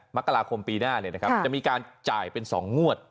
มกราคมปีหน้าจะมีการจ่ายเป็น๒งวด